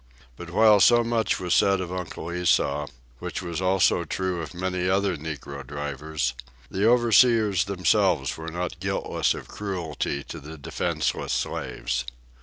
But while so much was said of Uncle Esau, which was also true of many other negro drivers, the overseers themselves were not guiltless of cruelty to the defenceless slaves.